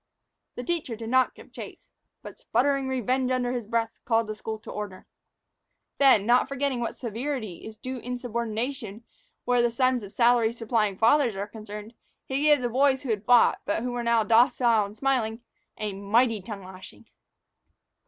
The teacher did not give chase, but, sputtering revenge under his breath, called the school to order. Then, not forgetting what severity is due insubordination where the sons of salary supplying fathers are concerned, he gave the boys who had fought, but who were now docile and smiling, a mighty tongue lashing.